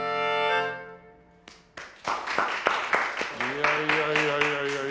いやいやいやいや。